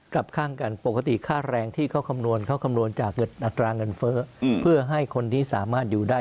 กลับข้างกันปกติค่าแรงที่เขาคำนวณเขาคำนวณจากอัตราเงินเฟ้อเพื่อให้คนที่สามารถอยู่ได้